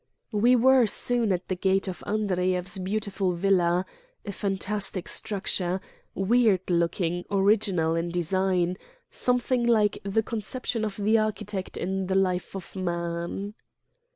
" We were soon at the gate of Andreyev's beau tiful villa a fantastic structure, weird looking, original in design, something like the conception of the architect in the "Life of Man."